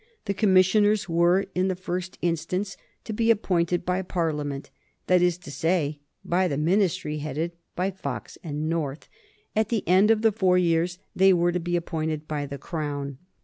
The commissioners were in the first instance to be appointed by Parliament, that is to say, by the Ministry headed by Fox and North; at the end of the four years they were to be appointed by the Crown.